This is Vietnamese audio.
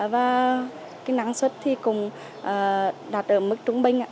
và năng suất cũng đạt được mức trung bình